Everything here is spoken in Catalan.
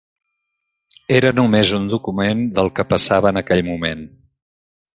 Era només un document del que passava en aquell moment.